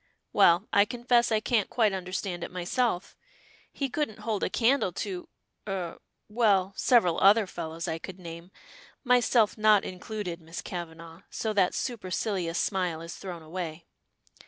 "Well, I confess I can't quite understand it myself. He couldn't hold a candle to er well, several other fellows I could name, myself not included, Miss Kavanagh, so that supercilious smile is thrown away.